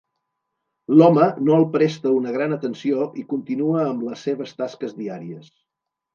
L'home no el presta una gran atenció i continua amb les seves tasques diàries.